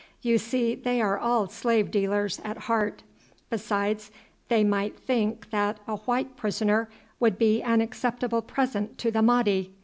You see, they are all slave dealers at heart; besides, they might think that a white prisoner would be an acceptable present to the Mahdi.